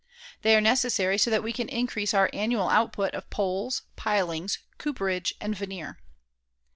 They are necessary so that we can increase our annual output of poles, pilings, cooperage and veneer.